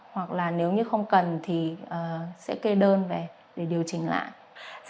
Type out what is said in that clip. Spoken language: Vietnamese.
hoặc là nếu như không cần thì sẽ kê đơn về để điều chỉnh lại